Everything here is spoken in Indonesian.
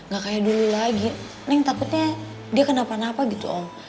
gak kayak dulu lagi neng takutnya dia kenapa napa gitu om